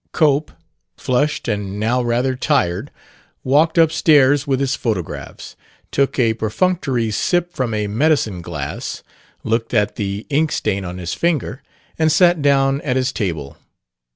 Cope, flushed and now rather tired, walked up stairs with his photographs, took a perfunctory sip from a medicine glass, looked at the inkstain on his finger, and sat down at his table.